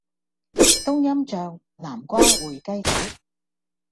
冬蔭醬南瓜燴雞腿